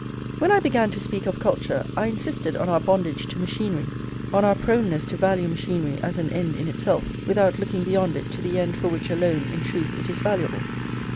When I began to speak of culture, I insisted on our bondage to machinery, on our proneness to value machinery as an end in itself, without looking beyond it to the end for which alone, in truth, it is valuable.